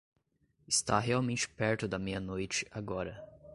Está realmente perto da meia-noite agora.